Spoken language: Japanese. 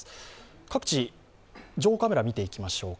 各地、情報カメラ見ていきましょうか。